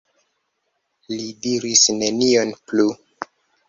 Li diris nenion plu.